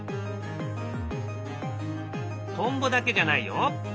トンボだけじゃないよ。